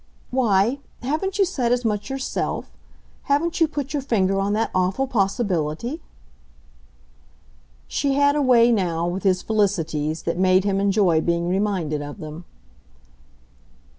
"Why, haven't you said as much yourself? haven't you put your finger on that awful possibility?" She had a way now, with his felicities, that made him enjoy being reminded of them.